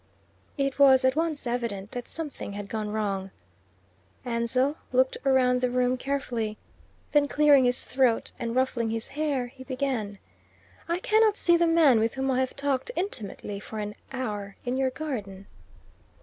It was at once evident that something had gone wrong. Ansell looked round the room carefully. Then clearing his throat and ruffling his hair, he began "I cannot see the man with whom I have talked, intimately, for an hour, in your garden."